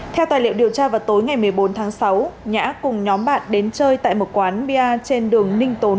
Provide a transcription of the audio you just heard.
theo tài liệu điều tra vào tối ngày một mươi bốn tháng sáu nhã cùng nhóm bạn đến chơi tại một quán bia trên đường ninh tốn